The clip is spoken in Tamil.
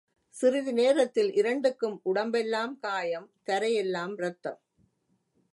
சிறிது நேரத்தில் இரண்டுக்கும் உடம்பெல்லாம் காயம் தரையெல்லாம் இரத்தம்!